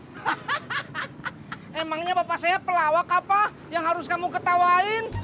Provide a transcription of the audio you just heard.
emangnya bapak saya pelawak apa yang harus kamu ketawain